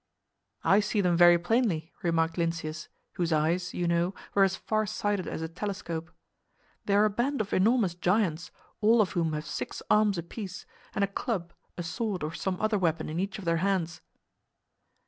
"I see them very plainly," remarked Lynceus, whose eyes, you know, were as far sighted as a telescope. "They are a band of enormous giants, all of whom have six arms apiece, and a club, a sword or some other weapon in each of their hands."